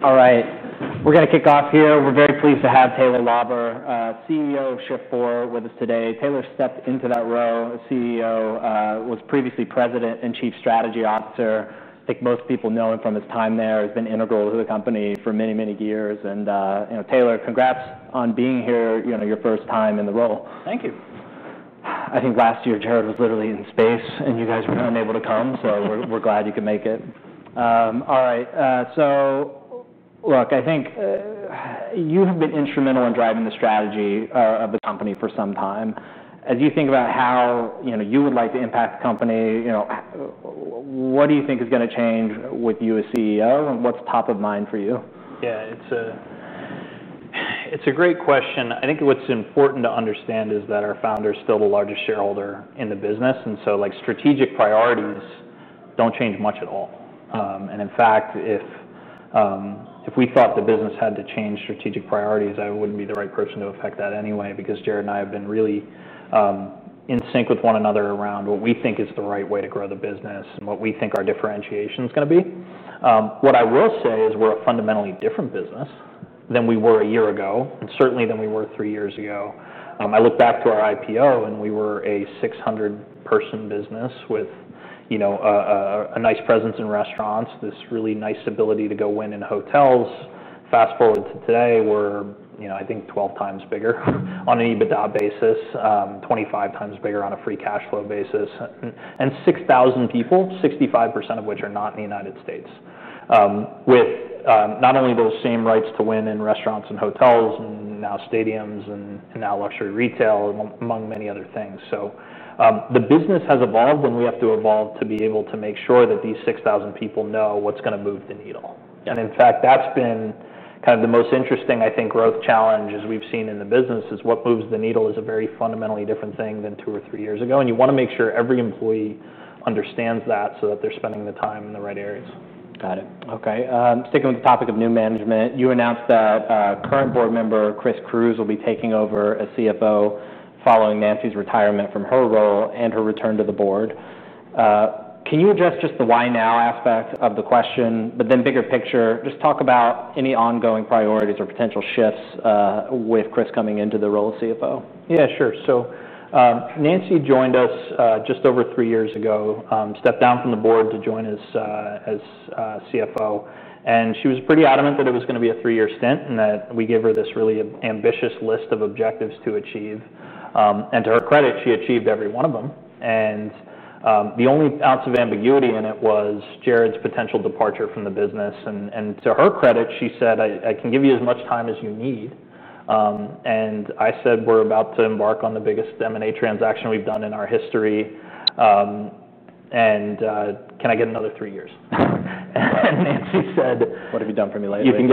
All right. We're going to kick off here. We're very pleased to have Taylor Lauber, CEO of Shift4 Payments, with us today. Taylor stepped into that role as CEO, was previously President and Chief Strategy Officer. I think most people know him from his time there. He's been integral to the company for many, many years. Taylor, congrats on being here, your first time in the role. Thank you. I think last year, Jared was literally in space, and you guys were unable to come. We're glad you could make it. All right. I think you have been instrumental in driving the strategy of the company for some time. As you think about how you would like to impact the company, what do you think is going to change with you as CEO, and what's top of mind for you? Yeah, it's a great question. I think what's important to understand is that our founder is still the largest shareholder in the business. Strategic priorities don't change much at all. In fact, if we thought the business had to change strategic priorities, I wouldn't be the right person to affect that anyway, because Jared and I have been really in sync with one another around what we think is the right way to grow the business and what we think our differentiation is going to be. What I will say is we're a fundamentally different business than we were a year ago, and certainly than we were three years ago. I look back to our IPO, and we were a 600-person business with a nice presence in restaurants, this really nice ability to go win in hotels. Fast forward to today, we're, I think, 12 times bigger on an EBITDA basis, 25 times bigger on a free cash flow basis, and 6,000 people, 65% of which are not in the United States, with not only those same rights to win in restaurants and hotels and now stadiums and now luxury retail, among many other things. The business has evolved, and we have to evolve to be able to make sure that these 6,000 people know what's going to move the needle. In fact, that's been kind of the most interesting, I think, growth challenge we've seen in the business, is what moves the needle is a very fundamentally different thing than two or three years ago. You want to make sure every employee understands that so that they're spending the time in the right areas. Got it. Okay. Sticking with the topic of new management, you announced that current board member, Chris Cruz, will be taking over as CFO following Nancy's retirement from her role and her return to the board. Can you address just the why now aspect of the question, but then bigger picture, just talk about any ongoing priorities or potential shifts with Chris coming into the role of CFO? Yeah, sure. Nancy joined us just over three years ago, stepped down from the board to join us as CFO. She was pretty adamant that it was going to be a three-year stint and that we gave her this really ambitious list of objectives to achieve. To her credit, she achieved every one of them. The only ounce of ambiguity in it was Jared's potential departure from the business. To her credit, she said, "I can give you as much time as you need." I said, "We're about to embark on the biggest M&A transaction we've done in our history. Can I get another three years?" Nancy said, "What have you done for me lately? You can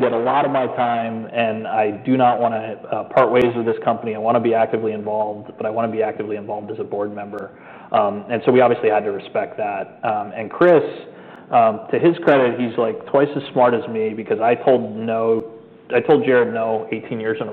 get a lot of my time. I do not want to part ways with this company. I want to be actively involved, but I want to be actively involved as a board member." We obviously had to respect that. Chris, to his credit, he's like twice as smart as me because I told Jared no 18 years in a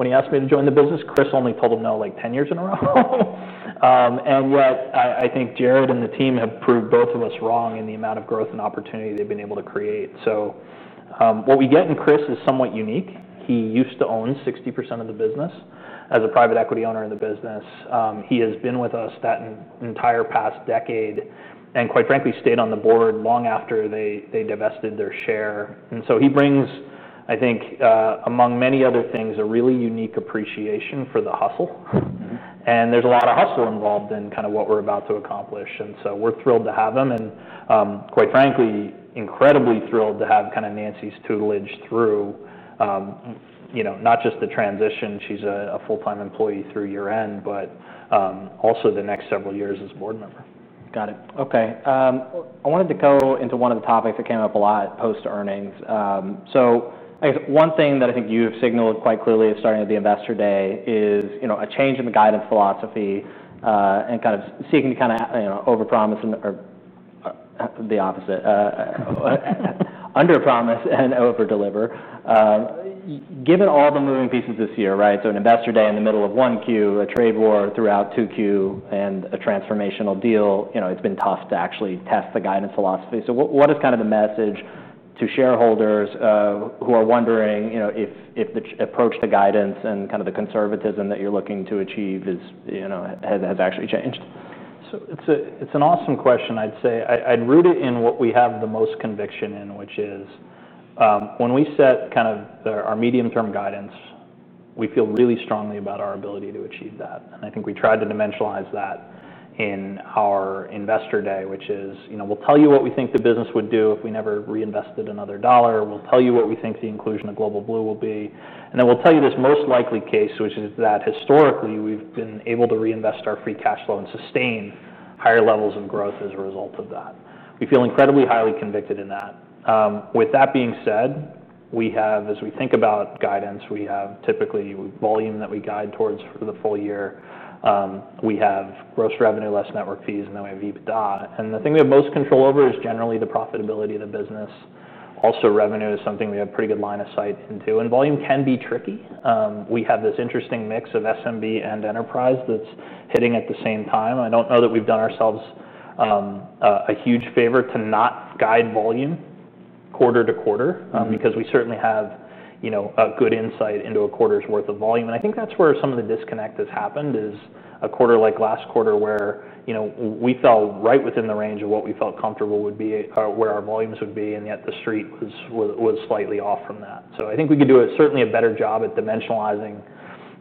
row when he asked me to join the business. Chris only told him no like 10 years in a row. I think Jared and the team have proved both of us wrong in the amount of growth and opportunity they've been able to create. What we get in Chris is somewhat unique. He used to own 60% of the business. As a private equity owner in the business, he has been with us that entire past decade and quite frankly stayed on the board long after they divested their share. He brings, I think, among many other things, a really unique appreciation for the hustle. There's a lot of hustle involved in kind of what we're about to accomplish. We're thrilled to have him and quite frankly, incredibly thrilled to have kind of Nancy's tutelage through not just the transition. She's a full-time employee through year-end, but also the next several years as a board member. Got it. Okay. I wanted to go into one of the topics that came up a lot post-earnings. I guess one thing that I think you have signaled quite clearly, starting at the Investor Day, is a change in the guidance philosophy and kind of seeking to, you know, under-promise and over-deliver. Given all the moving pieces this year, right? An Investor Day in the middle of 1Q, a trade war throughout 2Q, and a transformational deal, it's been tough to actually test the guidance philosophy. What is the message to shareholders who are wondering if the approach to guidance and the conservatism that you're looking to achieve has actually changed? It's an awesome question. I'd say I'd root it in what we have the most conviction in, which is when we set kind of our medium-term guidance, we feel really strongly about our ability to achieve that. I think we tried to dimensionalize that in our Investor Day, which is, you know, we'll tell you what we think the business would do if we never reinvested another dollar. We'll tell you what we think the inclusion of Global Blue will be. Then we'll tell you this most likely case, which is that historically, we've been able to reinvest our free cash flow and sustain higher levels of growth as a result of that. We feel incredibly highly convicted in that. With that being said, as we think about guidance, we have typically volume that we guide towards for the full year. We have gross revenue, less network fees, and then we have EBITDA. The thing we have most control over is generally the profitability of the business. Also, revenue is something we have a pretty good line of sight into. Volume can be tricky. We have this interesting mix of SMB and enterprise that's hitting at the same time. I don't know that we've done ourselves a huge favor to not guide volume quarter to quarter because we certainly have a good insight into a quarter's worth of volume. I think that's where some of the disconnect has happened, a quarter like last quarter where we fell right within the range of what we felt comfortable would be or where our volumes would be, and yet the street was slightly off from that. I think we could do certainly a better job at dimensionalizing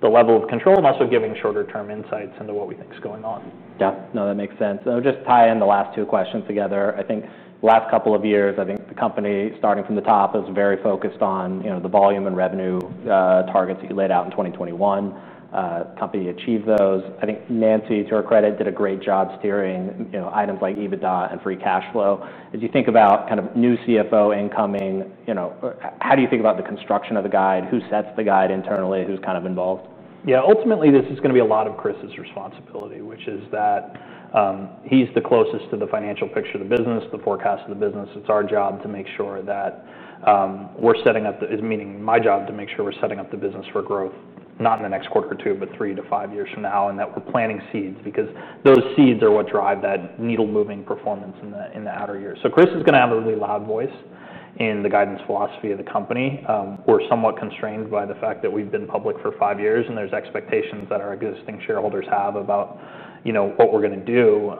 the level of control and also giving shorter-term insights into what we think is going on. Yeah, no, that makes sense. I would just tie in the last two questions together. I think the last couple of years, the company, starting from the top, is very focused on the volume and revenue targets that you laid out in 2021. The company achieved those. I think Nancy, to her credit, did a great job steering items like EBITDA and free cash flow. As you think about kind of new CFO incoming, how do you think about the construction of the guide? Who sets the guide internally? Who's kind of involved? Yeah, ultimately, this is going to be a lot of Chris's responsibility, which is that he's the closest to the financial picture of the business, the forecast of the business. It's our job to make sure that we're setting up, meaning my job to make sure we're setting up the business for growth, not in the next quarter or two, but three to five years from now, and that we're planting seeds because those seeds are what drive that needle-moving performance in the outer years. Chris is going to have a really loud voice in the guidance philosophy of the company. We're somewhat constrained by the fact that we've been public for five years, and there's expectations that our existing shareholders have about, you know, what we're going to do.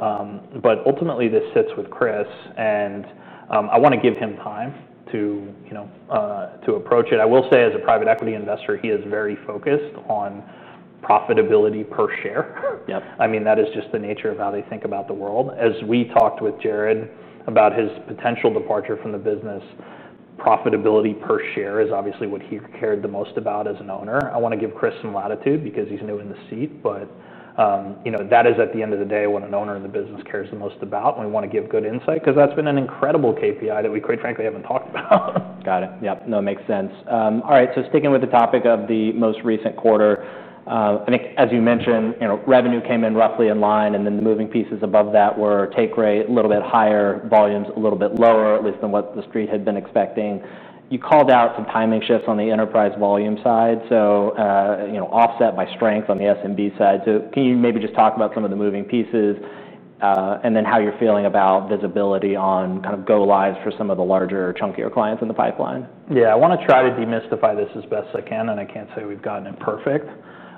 Ultimately, this sits with Chris, and I want to give him time to, you know, approach it. I will say, as a private equity investor, he is very focused on profitability per share. I mean, that is just the nature of how they think about the world. As we talked with Jared about his potential departure from the business, profitability per share is obviously what he cared the most about as an owner. I want to give Chris some latitude because he's new in the seat. That is at the end of the day what an owner in the business cares the most about. We want to give good insight because that's been an incredible KPI that we quite frankly haven't talked about. Got it. Yeah, no, it makes sense. All right. Sticking with the topic of the most recent quarter, I think, as you mentioned, revenue came in roughly in line, and then the moving pieces above that were take rate a little bit higher, volumes a little bit lower, at least than what the street had been expecting. You called out some timing shifts on the enterprise volume side, offset by strength on the SMB side. Can you maybe just talk about some of the moving pieces and then how you're feeling about visibility on kind of go-lives for some of the larger, chunkier clients in the pipeline? Yeah, I want to try to demystify this as best I can, and I can't say we've gotten it perfect.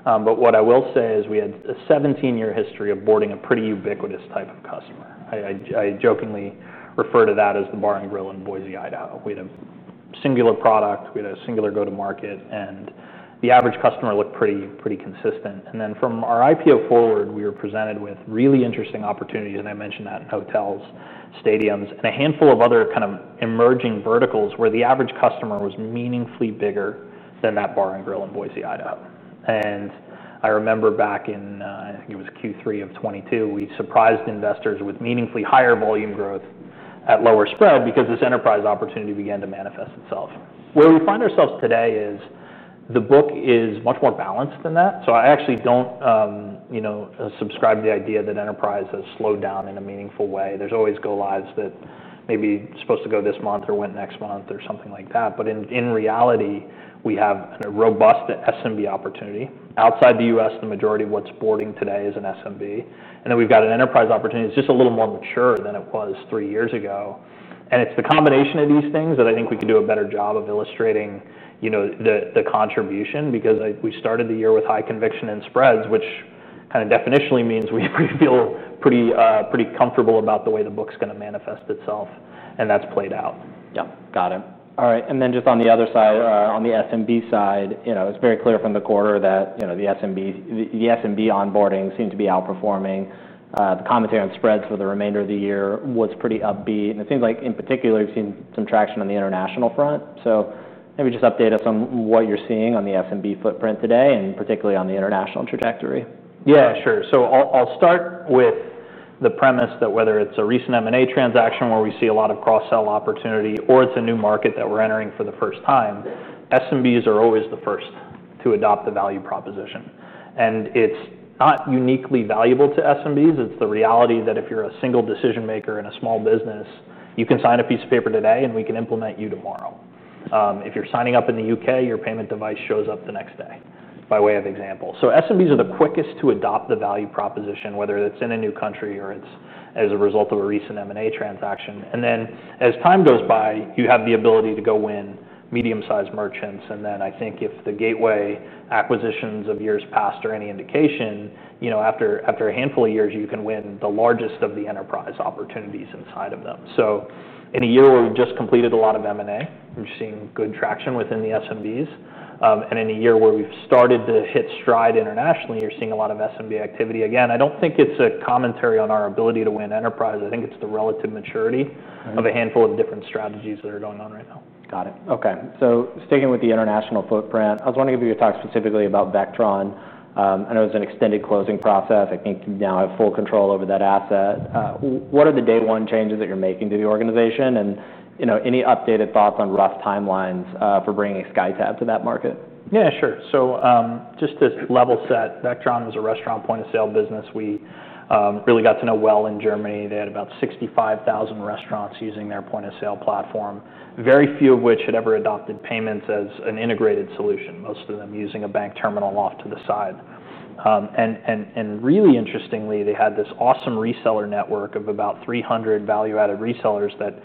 What I will say is we had a 17-year history of boarding a pretty ubiquitous type of customer. I jokingly refer to that as the bar and grill in Boise, Idaho. We had a singular product. We had a singular go-to-market, and the average customer looked pretty consistent. From our IPO forward, we were presented with really interesting opportunities. I mentioned that in hotels, stadiums, and a handful of other kind of emerging verticals where the average customer was meaningfully bigger than that bar and grill in Boise, Idaho. I remember back in, I think it was Q3 of 2022, we surprised investors with meaningfully higher volume growth at lower spread because this enterprise opportunity began to manifest itself. Where we find ourselves today is the book is much more balanced than that. I actually don't, you know, subscribe to the idea that enterprise has slowed down in a meaningful way. There are always go-lives that maybe are supposed to go this month or went next month or something like that. In reality, we have a robust SMB opportunity. Outside the U.S., the majority of what's boarding today is an SMB. We've got an enterprise opportunity that's just a little more mature than it was three years ago. It's the combination of these things that I think we can do a better job of illustrating, you know, the contribution because we started the year with high conviction in spreads, which kind of definitionally means we feel pretty comfortable about the way the book's going to manifest itself, and that's played out. Yeah, got it. All right. On the SMB side, it's very clear from the quarter that the SMB onboarding seemed to be outperforming. The commentary on spreads for the remainder of the year was pretty upbeat. It seems like in particular, you've seen some traction on the international front. Maybe just update us on what you're seeing on the SMB footprint today and particularly on the international trajectory. Yeah, sure. I'll start with the premise that whether it's a recent M&A transaction where we see a lot of cross-sell opportunity or it's a new market that we're entering for the first time, SMBs are always the first to adopt the value proposition. It's not uniquely valuable to SMBs. It's the reality that if you're a single decision-maker in a small business, you can sign a piece of paper today, and we can implement you tomorrow. If you're signing up in the U.K., your payment device shows up the next day by way of example. SMBs are the quickest to adopt the value proposition, whether it's in a new country or as a result of a recent M&A transaction. As time goes by, you have the ability to go win medium-sized merchants. I think if the gateway acquisitions of years past are any indication, after a handful of years, you can win the largest of the enterprise opportunities inside of them. In a year where we've just completed a lot of M&A, we've seen good traction within the SMBs. In a year where we've started to hit stride internationally, you're seeing a lot of SMB activity. I don't think it's a commentary on our ability to win enterprise. I think it's the relative maturity of a handful of different strategies that are going on right now. Got it. Okay. Sticking with the international footprint, I was wanting to give you a talk specifically about Vectron. I know it was an extended closing process. I think you now have full control over that asset. What are the day-one changes that you're making to the organization? You know, any updated thoughts on rough timelines for bringing a SkyTab to that market? Yeah, sure. Just to level set, Vectron was a restaurant point-of-sale business we really got to know well in Germany. They had about 65,000 restaurants using their point-of-sale platform, very few of which had ever adopted payments as an integrated solution, most of them using a bank terminal off to the side. Really interestingly, they had this awesome reseller network of about 300 value-added resellers that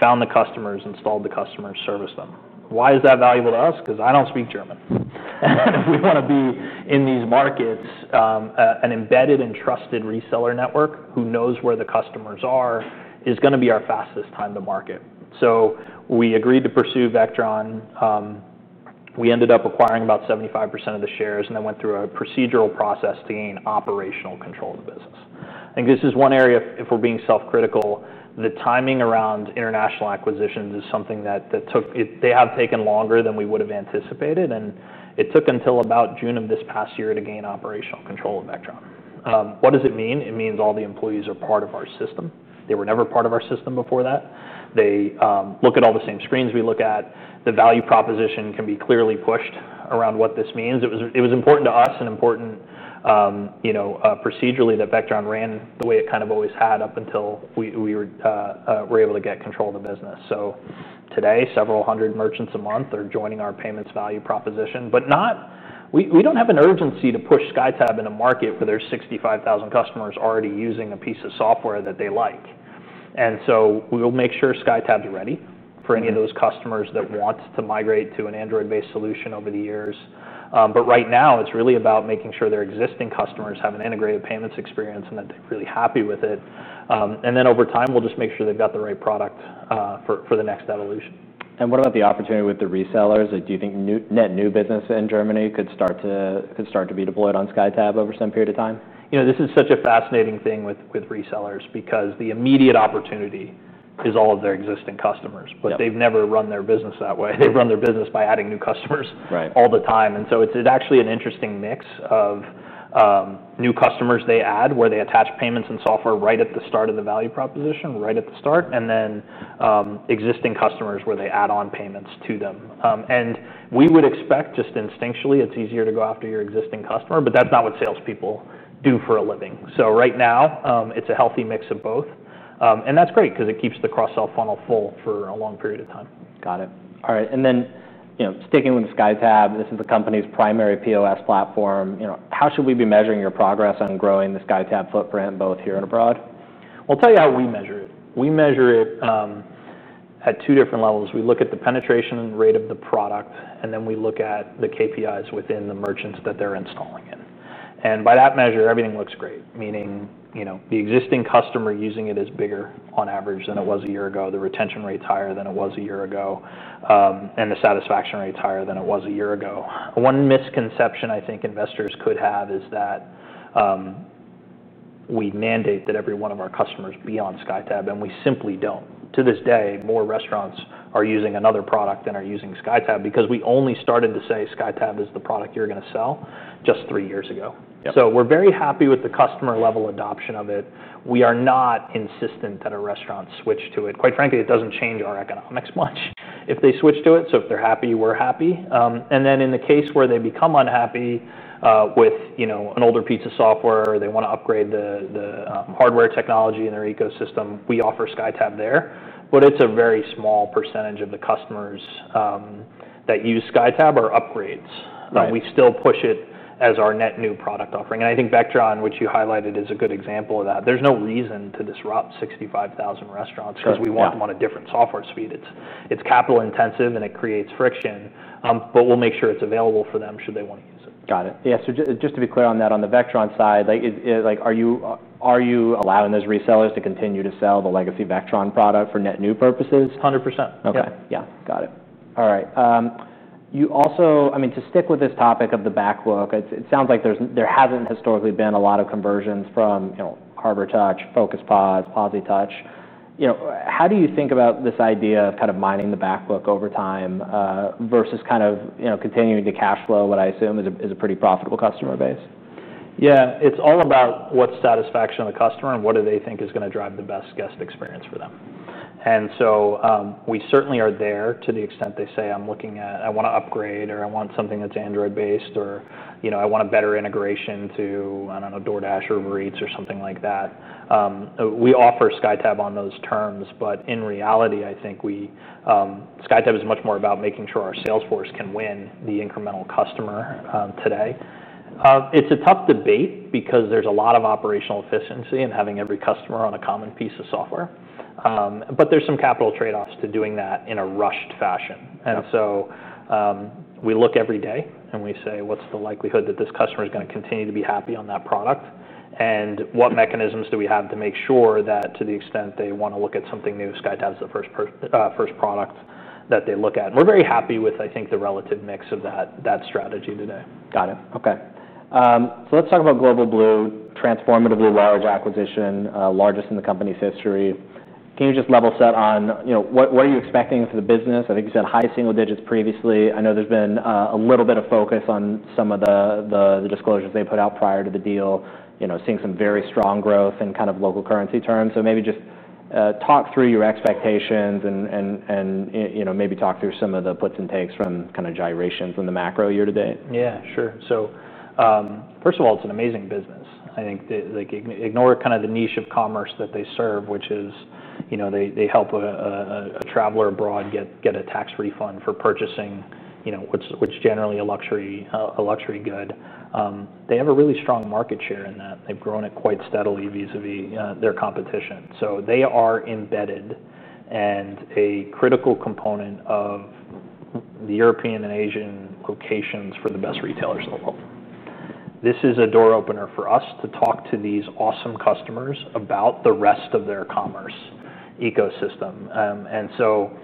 found the customers, installed the customers, and serviced them. Why is that valuable to us? I don't speak German. If we want to be in these markets, an embedded and trusted reseller network who knows where the customers are is going to be our fastest time to market. We agreed to pursue Vectron. We ended up acquiring about 75% of the shares and then went through a procedural process to gain operational control of the business. I think this is one area, if we're being self-critical, the timing around international acquisitions is something that has taken longer than we would have anticipated. It took until about June of this past year to gain operational control of Vectron. What does it mean? It means all the employees are part of our system. They were never part of our system before that. They look at all the same screens we look at. The value proposition can be clearly pushed around what this means. It was important to us and important, procedurally, that Vectron ran the way it kind of always had up until we were able to get control of the business. Today, several hundred merchants a month are joining our payments value proposition. We don't have an urgency to push SkyTab in a market where there's 65,000 customers already using a piece of software that they like. We'll make sure SkyTab is ready for any of those customers that want to migrate to an Android-based solution over the years. Right now, it's really about making sure their existing customers have an integrated payments experience and that they're really happy with it. Over time, we'll just make sure they've got the right product for the next evolution. What about the opportunity with the resellers? Do you think net new business in Germany could start to be deployed on SkyTab over some period of time? You know, this is such a fascinating thing with resellers because the immediate opportunity is all of their existing customers. They've never run their business that way. They run their business by adding new customers all the time. It's actually an interesting mix of new customers they add where they attach payments and software right at the start of the value proposition, right at the start, and then existing customers where they add on payments to them. We would expect just instinctually it's easier to go after your existing customer, but that's not what salespeople do for a living. Right now, it's a healthy mix of both, and that's great because it keeps the cross-sell funnel full for a long period of time. Got it. All right. Sticking with SkyTab, this is the company's primary POS platform. How should we be measuring your progress on growing the SkyTab footprint both here and abroad? I'll tell you how we measure it. We measure it at two different levels. We look at the penetration rate of the product, and then we look at the KPIs within the merchants that they're installing in. By that measure, everything looks great, meaning, you know, the existing customer using it is bigger on average than it was a year ago. The retention rate is higher than it was a year ago. The satisfaction rate is higher than it was a year ago. One misconception I think investors could have is that we mandate that every one of our customers be on SkyTab, and we simply don't. To this day, more restaurants are using another product than are using SkyTab because we only started to say SkyTab is the product you're going to sell just three years ago. We're very happy with the customer-level adoption of it. We are not insistent that a restaurant switch to it. Quite frankly, it doesn't change our economics much if they switch to it. If they're happy, we're happy. In the case where they become unhappy with, you know, an older piece of software or they want to upgrade the hardware technology in their ecosystem, we offer SkyTab there. It's a very small percentage of the customers that use SkyTab are upgrades. We still push it as our net new product offering. I think Vectron, which you highlighted, is a good example of that. There's no reason to disrupt 65,000 restaurants because we want them on a different software suite. It's capital intensive, and it creates friction. We'll make sure it's available for them should they want to use it. Got it. Yeah, just to be clear on that, on the Vectron side, are you allowing those resellers to continue to sell the legacy Vectron product for net new purposes? 100%. Okay. Yeah. Got it. All right. You also, I mean, to stick with this topic of the backlog, it sounds like there hasn't historically been a lot of conversions from HarborTouch, Focus POS, POSitouch. You know, how do you think about this idea of kind of mining the backlog over time versus kind of, you know, continuing to cash flow what I assume is a pretty profitable customer base? Yeah, it's all about what's satisfaction of the customer and what do they think is going to drive the best guest experience for them. We certainly are there to the extent they say, "I'm looking at, I want to upgrade," or, "I want something that's Android-based," or, you know, "I want a better integration to, I don't know, DoorDash or Uber Eats or something like that." We offer SkyTab on those terms. In reality, I think SkyTab is much more about making sure our salesforce can win the incremental customer today. It's a tough debate because there's a lot of operational efficiency in having every customer on a common piece of software. There are some capital trade-offs to doing that in a rushed fashion. We look every day and we say, "What's the likelihood that this customer is going to continue to be happy on that product? What mechanisms do we have to make sure that to the extent they want to look at something new, SkyTab is the first product that they look at?" We're very happy with, I think, the relative mix of that strategy today. Got it. Okay. Let's talk about Global Blue, transformatively large acquisition, largest in the company's history. Can you just level set on, you know, what are you expecting for the business? I think you said high single digits previously. I know there's been a little bit of focus on some of the disclosures they put out prior to the deal, seeing some very strong growth in kind of local currency terms. Maybe just talk through your expectations and, you know, maybe talk through some of the puts and takes from kind of gyrations in the macro year to date. Yeah, sure. First of all, it's an amazing business. I think ignore kind of the niche of commerce that they serve, which is, you know, they help a traveler abroad get a tax refund for purchasing, you know, which is generally a luxury good. They have a really strong market share in that. They've grown it quite steadily vis-à-vis their competition. They are embedded and a critical component of the European and Asian locations for the best retailers in the world. This is a door opener for us to talk to these awesome customers about the rest of their commerce ecosystem.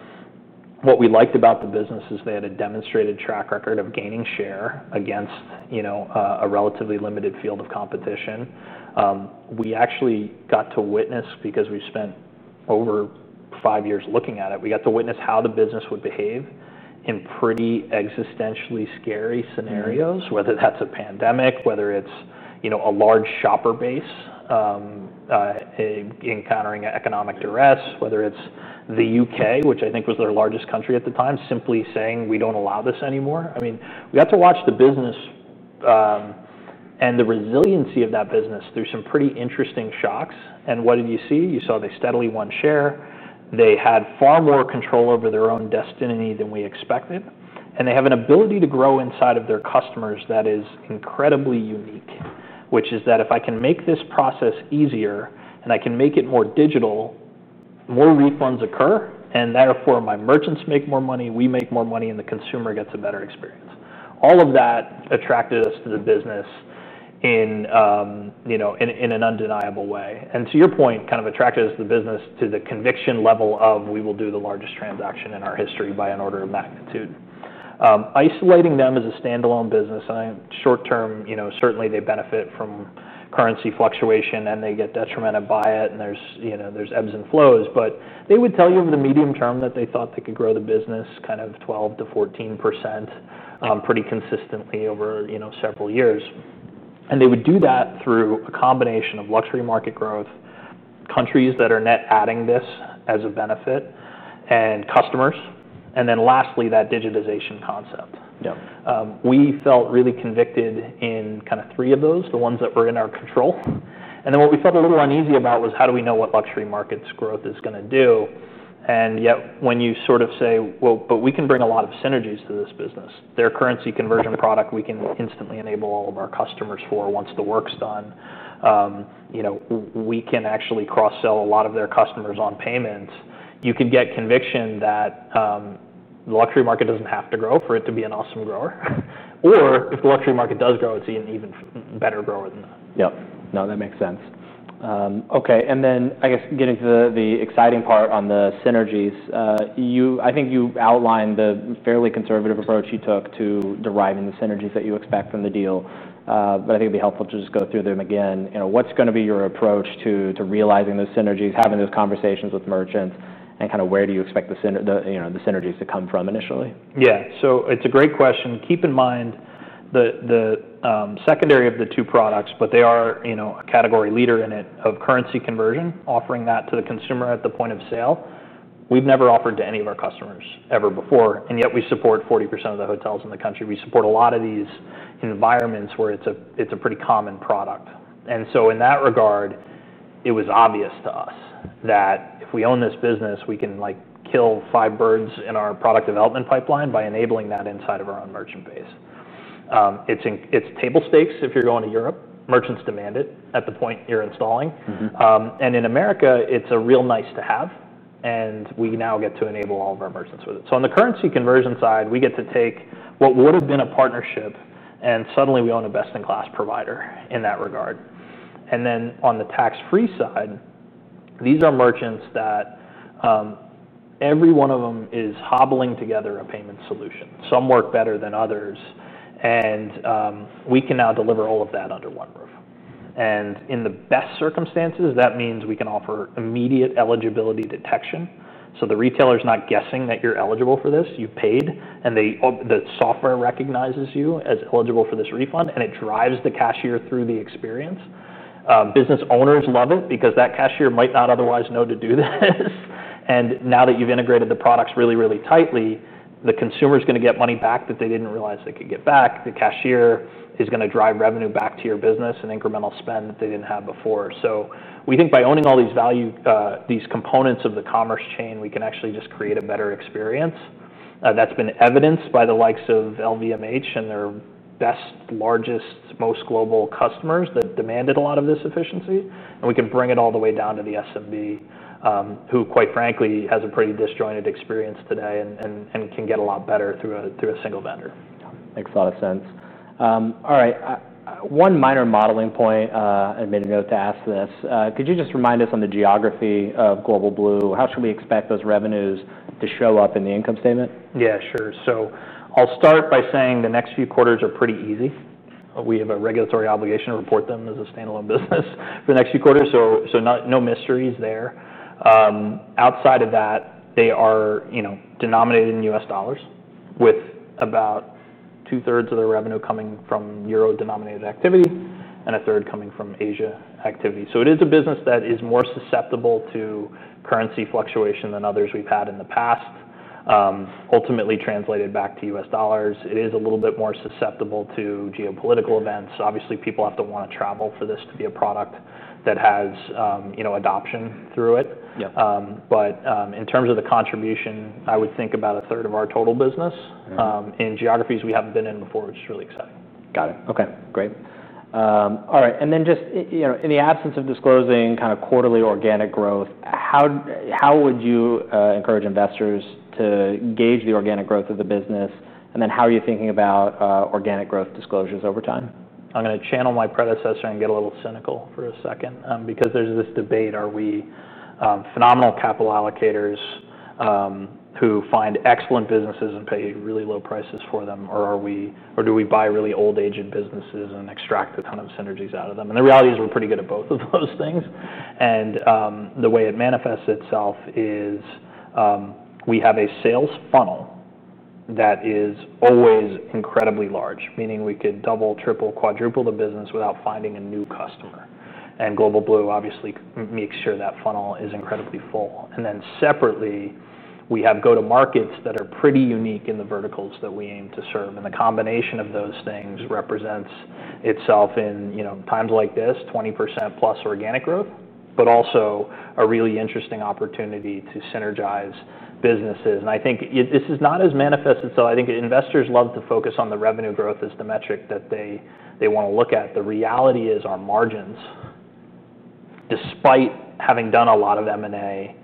What we liked about the business is they had a demonstrated track record of gaining share against, you know, a relatively limited field of competition. We actually got to witness, because we've spent over five years looking at it, we got to witness how the business would behave in pretty existentially scary scenarios, whether that's a pandemic, whether it's, you know, a large shopper base encountering economic duress, whether it's the U.K., which I think was their largest country at the time, simply saying, "We don't allow this anymore." I mean, we got to watch the business and the resiliency of that business through some pretty interesting shocks. What did you see? You saw they steadily won share. They had far more control over their own destiny than we expected. They have an ability to grow inside of their customers that is incredibly unique, which is that if I can make this process easier and I can make it more digital, more refunds occur, and therefore my merchants make more money, we make more money, and the consumer gets a better experience. All of that attracted us to the business in an undeniable way. To your point, kind of attracted us to the business to the conviction level of, "We will do the largest transaction in our history by an order of magnitude." Isolating them as a standalone business, I am short term, you know, certainly they benefit from currency fluctuation, and they get detrimented by it. There's, you know, there's ebbs and flows. They would tell you over the medium term that they thought they could grow the business kind of 12% to 14% pretty consistently over, you know, several years. They would do that through a combination of luxury market growth, countries that are net adding this as a benefit, and customers. Lastly, that digitization concept. We felt really convicted in kind of three of those, the ones that were in our control. What we felt a little uneasy about was how do we know what luxury markets' growth is going to do? Yet, when you sort of say, "We can bring a lot of synergies to this business. Their currency conversion product, we can instantly enable all of our customers for once the work's done. You know, we can actually cross-sell a lot of their customers on payments." You could get conviction that the luxury market doesn't have to grow for it to be an awesome grower. If the luxury market does grow, it's an even better grower than that. Yeah. No, that makes sense. Okay. I guess getting to the exciting part on the synergies, I think you outlined the fairly conservative approach you took to deriving the synergies that you expect from the deal. I think it'd be helpful to just go through them again. You know, what's going to be your approach to realizing those synergies, having those conversations with merchants, and kind of where do you expect the synergies to come from initially? Yeah. It's a great question. Keep in mind the secondary of the two products, but they are a category leader in currency conversion, offering that to the consumer at the point of sale. We've never offered to any of our customers ever before, yet we support 40% of the hotels in the country. We support a lot of these environments where it's a pretty common product. In that regard, it was obvious to us that if we own this business, we can kill five birds in our product development pipeline by enabling that inside of our own merchant base. It's table stakes if you're going to Europe. Merchants demand it at the point you're installing. In America, it's a real nice-to-have. We now get to enable all of our merchants with it. On the currency conversion side, we get to take what would have been a partnership, and suddenly we own a best-in-class provider in that regard. On the tax-free side, these are merchants that every one of them is hobbling together a payment solution. Some work better than others. We can now deliver all of that under one roof. In the best circumstances, that means we can offer immediate eligibility detection. The retailer is not guessing that you're eligible for this. You've paid, and the software recognizes you as eligible for this refund, and it drives the cashier through the experience. Business owners love it because that cashier might not otherwise know to do this. Now that you've integrated the products really, really tightly, the consumer is going to get money back that they didn't realize they could get back. The cashier is going to drive revenue back to your business and incremental spend that they didn't have before. We think by owning all these value, these components of the commerce chain, we can actually just create a better experience. That's been evidenced by the likes of LVMH and their best, largest, most global customers that demanded a lot of this efficiency. We can bring it all the way down to the SMB, who quite frankly has a pretty disjointed experience today and can get a lot better through a single vendor. Makes a lot of sense. All right. One minor modeling point, I made a note to ask this. Could you just remind us on the geography of Global Blue, how should we expect those revenues to show up in the income statement? Yeah, sure. I'll start by saying the next few quarters are pretty easy. We have a regulatory obligation to report them as a standalone business for the next few quarters, so no mysteries there. Outside of that, they are denominated in U.S. dollars, with about two-thirds of their revenue coming from euro-denominated activity and a third coming from Asia activity. It is a business that is more susceptible to currency fluctuation than others we've had in the past. Ultimately, translated back to U.S. dollars, it is a little bit more susceptible to geopolitical events. Obviously, people have to want to travel for this to be a product that has adoption through it. In terms of the contribution, I would think about a third of our total business is in geographies we haven't been in before, which is really exciting. Got it. Okay. Great. All right. In the absence of disclosing kind of quarterly organic growth, how would you encourage investors to gauge the organic growth of the business? How are you thinking about organic growth disclosures over time? I'm going to channel my predecessor and get a little cynical for a second because there's this debate. Are we phenomenal capital allocators who find excellent businesses and pay really low prices for them? Or do we buy really old-aging businesses and extract a ton of synergies out of them? The reality is we're pretty good at both of those things. The way it manifests itself is we have a sales funnel that is always incredibly large, meaning we could double, triple, quadruple the business without finding a new customer. Global Blue obviously makes sure that funnel is incredibly full. Separately, we have go-to-markets that are pretty unique in the verticals that we aim to serve. The combination of those things represents itself in, you know, times like this, 20%+ organic growth, but also a really interesting opportunity to synergize businesses. I think this is not as manifested as I think investors love to focus on the revenue growth as the metric that they want to look at. The reality is our margins, despite having done a lot of M&A,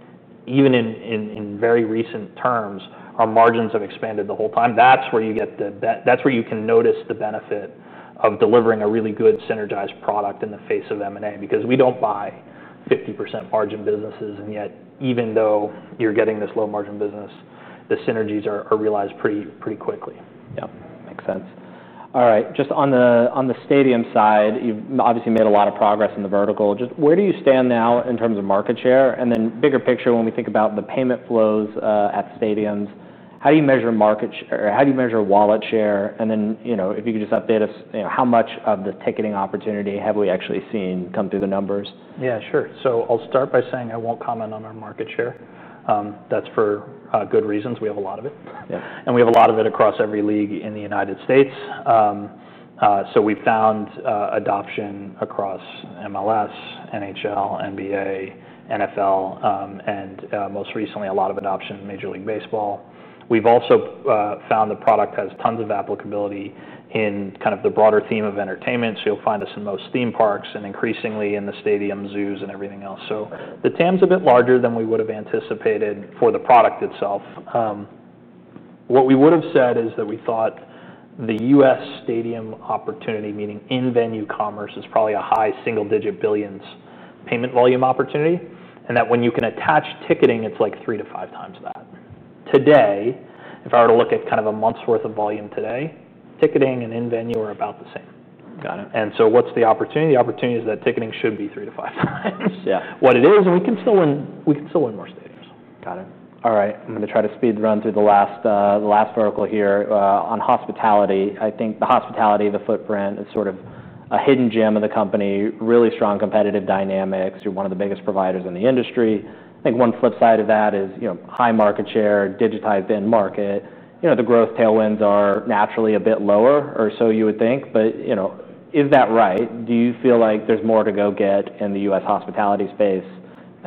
even in very recent terms, our margins have expanded the whole time. That's where you get the, that's where you can notice the benefit of delivering a really good synergized product in the face of M&A because we don't buy 50% margin businesses. Yet, even though you're getting this low margin business, the synergies are realized pretty quickly. Yeah, makes sense. All right. Just on the stadium side, you've obviously made a lot of progress in the vertical. Where do you stand now in terms of market share? Bigger picture, when we think about the payment flows at stadiums, how do you measure market share? How do you measure wallet share? If you could just update us, how much of the ticketing opportunity have we actually seen come through the numbers? Yeah, sure. I'll start by saying I won't comment on our market share. That's for good reasons. We have a lot of it, and we have a lot of it across every league in the United States. We've found adoption across MLS, NHL, NBA, NFL, and most recently, a lot of adoption in Major League Baseball. We've also found the product has tons of applicability in the broader theme of entertainment. You'll find us in most theme parks and increasingly in the stadiums, zoos, and everything else. The TAM is a bit larger than we would have anticipated for the product itself. What we would have said is that we thought the U.S. stadium opportunity, meaning in-venue commerce, is probably a high single-digit billions payment volume opportunity. When you can attach ticketing, it's like three to five times that. Today, if I were to look at a month's worth of volume today, ticketing and in-venue are about the same. Got it. What is the opportunity? The opportunity is that ticketing shouldn't be three to five times what it is. We can still win, we can still win more stadiums. Got it. All right. I'm going to try to speed run through the last vertical here on hospitality. I think the hospitality of the footprint is sort of a hidden gem of the company, really strong competitive dynamics. You're one of the biggest providers in the industry. I think one flip side of that is, you know, high market share, digitized in market. You know, the growth tailwinds are naturally a bit lower or so you would think. Is that right? Do you feel like there's more to go get in the U.S. hospitality space?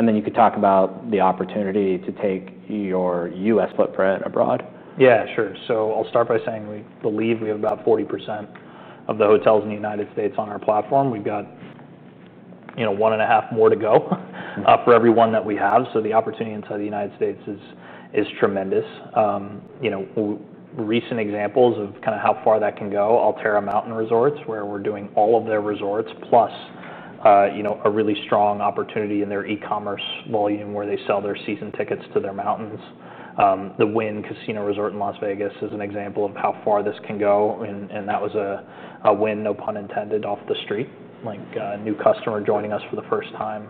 Then you could talk about the opportunity to take your U.S. footprint abroad. Yeah, sure. I'll start by saying we believe we have about 40% of the hotels in the United States on our platform. We've got, you know, one and a half more to go for every one that we have. The opportunity inside the United States is tremendous. Recent examples of kind of how far that can go, Altera Mountain Resorts, where we're doing all of their resorts, plus a really strong opportunity in their e-commerce volume where they sell their season tickets to their mountains. The Wynn Casino Resort in Las Vegas is an example of how far this can go. That was a win, no pun intended, off the street, like a new customer joining us for the first time.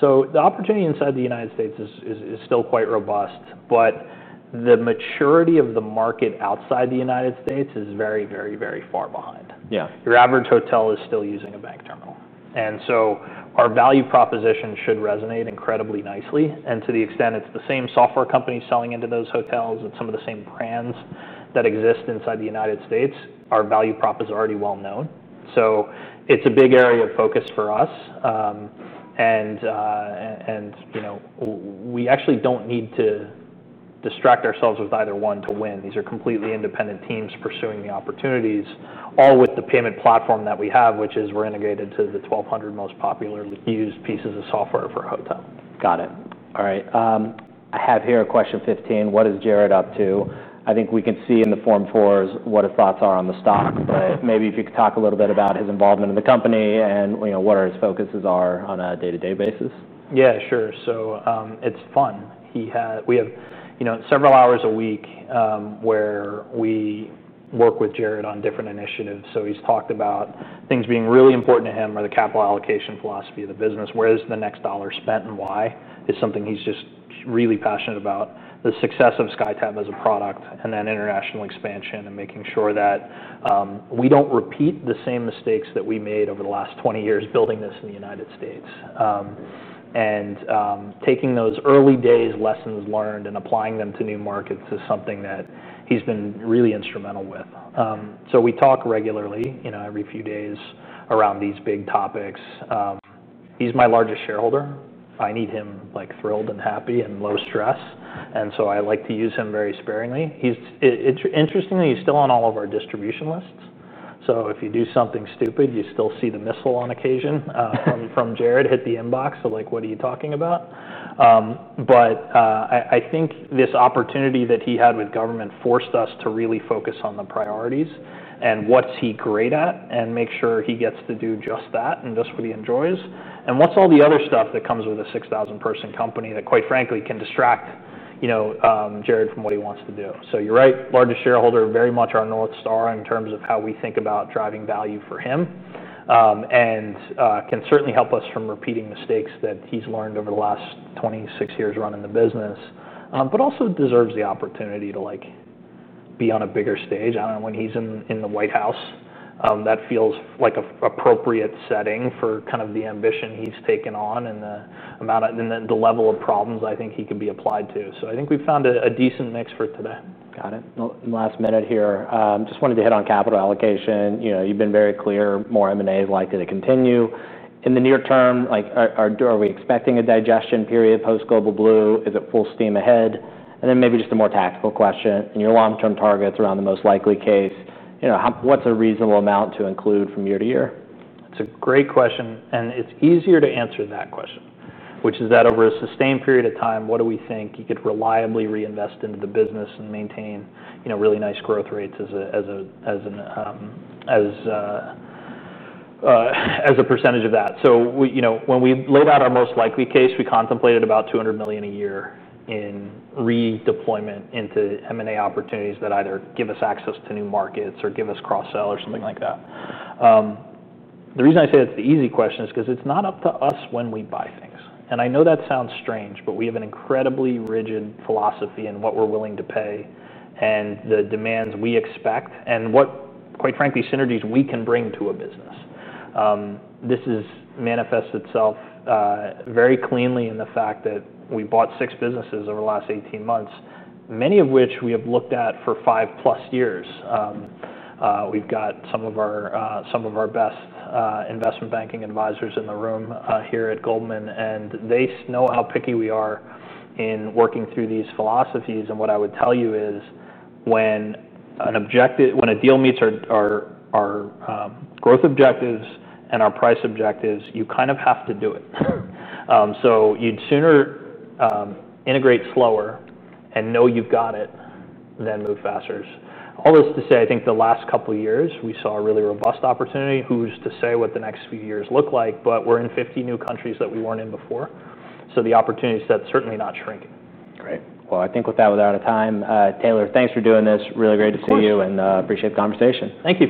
The opportunity inside the United States is still quite robust. The maturity of the market outside the United States is very, very, very far behind. Yeah. Your average hotel is still using a bank terminal. Our value proposition should resonate incredibly nicely. To the extent it's the same software company selling into those hotels and some of the same brands that exist inside the United States, our value prop is already well known. It is a big area of focus for us. We actually don't need to distract ourselves with either one to win. These are completely independent teams pursuing the opportunities, all with the payment platform that we have, which is we're integrated to the 1,200 most popularly used pieces of software for a hotel. Got it. All right. I have here a question 15. What is Jared up to? I think we can see in the Form 4s what his thoughts are on the stock, but maybe if you could talk a little bit about his involvement in the company and, you know, what his focuses are on a day-to-day basis. Yeah, sure. It's fun. We have several hours a week where we work with Jared on different initiatives. He's talked about things being really important to him or the capital allocation philosophy of the business. Where is the next dollar spent and why is something he's just really passionate about. The success of SkyTab as a product and then international expansion and making sure that we don't repeat the same mistakes that we made over the last 20 years building this in the United States. Taking those early days lessons learned and applying them to new markets is something that he's been really instrumental with. We talk regularly, every few days around these big topics. He's my largest shareholder. I need him thrilled and happy and low stress. I like to use him very sparingly. Interestingly, he's still on all of our distribution lists. If you do something stupid, you still see the missile on occasion from Jared hit the inbox. Like, what are you talking about? I think this opportunity that he had with government forced us to really focus on the priorities and what's he great at and make sure he gets to do just that and just what he enjoys and what's all the other stuff that comes with a 6,000-person company that quite frankly can distract Jared from what he wants to do. You're right, largest shareholder, very much our North Star in terms of how we think about driving value for him and can certainly help us from repeating mistakes that he's learned over the last 26 years running the business, but also deserves the opportunity to be on a bigger stage. I don't know when he's in the White House, that feels like an appropriate setting for kind of the ambition he's taken on and the amount of and then the level of problems I think he can be applied to. I think we've found a decent mix for today. Got it. Last minute here, just wanted to hit on capital allocation. You've been very clear more M&A is likely to continue in the near term. Are we expecting a digestion period post-Global Blue? Is it full steam ahead? Maybe just a more tactical question. In your long-term targets around the most likely case, what's a reasonable amount to include from year to year? That's a great question. It's easier to answer that question, which is that over a sustained period of time, what do we think you could reliably reinvest into the business and maintain, you know, really nice growth rates as a % of that? We, you know, when we laid out our most likely case, we contemplated about $200 million a year in redeployment into M&A opportunities that either give us access to new markets or give us cross-sell or something like that. The reason I say it's the easy question is because it's not up to us when we buy things. I know that sounds strange, but we have an incredibly rigid philosophy in what we're willing to pay and the demands we expect and what, quite frankly, synergies we can bring to a business. This manifests itself very cleanly in the fact that we bought six businesses over the last 18 months, many of which we have looked at for five plus years. We've got some of our best investment banking advisors in the room here at Goldman, and they know how picky we are in working through these philosophies. What I would tell you is when a deal meets our growth objectives and our price objectives, you kind of have to do it. You'd sooner integrate slower and know you've got it than move faster. All this to say, I think the last couple of years we saw a really robust opportunity. Who's to say what the next few years look like, but we're in 50 new countries that we weren't in before. The opportunity is certainly not shrinking. Great. I think with that, we're out of time. Taylor, thanks for doing this. Really great to see you and appreciate the conversation. Thank you.